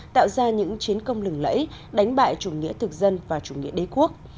tạo ra những chiến công lừng lẫy đánh bại chủ nghĩa thực dân và chủ nghĩa đế quốc